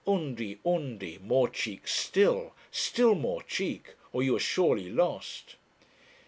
Undy, Undy, more cheek still, still more cheek, or you are surely lost.